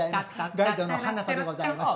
ガイドのハナコでございます。